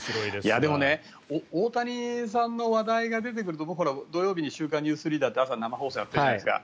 でも大谷さんの話題が出てくると僕、土曜日に「週刊ニュースリーダー」って朝、生放送やってるじゃないですか。